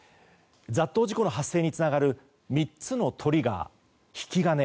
雑踏事故の発生につながる３つのトリガー、引き金。